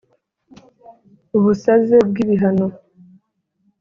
ubusaze bw ibihano